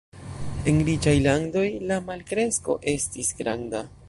En riĉaj landoj la malkresko estis granda.